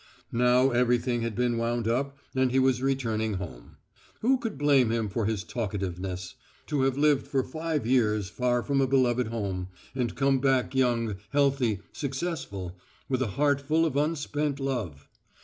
Now everything had been wound up and he was returning home. Who could blame him for his talkativeness; to have lived for five years far from a beloved home, and come back young, healthy, successful, with a heart full of unspent love!